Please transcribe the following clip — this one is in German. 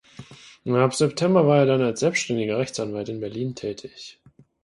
Ab September war er dann als selbständiger Rechtsanwalt in Berlin tätig.